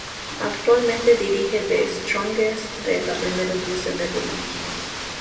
Actualmente dirige a The Strongest de la Primera División de Bolivia.